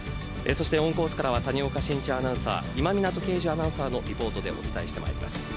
そしてオンコースからは谷岡慎一アナウンサー今湊敬樹アナウンサーのリポートでお伝えします。